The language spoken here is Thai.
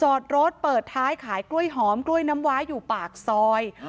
จอดรถเปิดท้ายขายกล้วยหอมกล้วยน้ำว้าอยู่ปากซอย